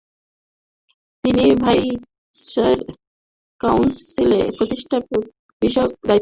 তিনি ভাইসরয়ের কাউন্সিলে প্রতিরক্ষা বিষয়ক দায়িত্বপালন করেছেন।